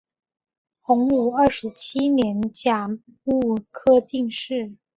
洪武二十七年甲戌科进士。